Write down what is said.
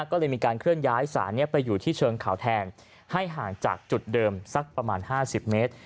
ก็เลยมีการเคลื่อนย้ายสารนี้ไปอยู่ที่เชิงเขาแทนให้ห่างจากจุดเดิมสักประมาณ๕๐เมตร